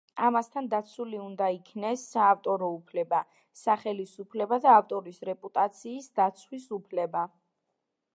ამასთან დაცული უნდა იქნეს საავტორო უფლება, სახელის უფლება და ავტორის რეპუტაციის დაცვის უფლება.